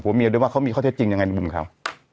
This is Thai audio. ผู้เมียด้วยว่าเขามีค่อเท็จจริงยังไง